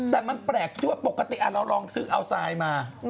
แต่มันแปลกที่ว่าปกติเราลองซื้อเอาทรายมา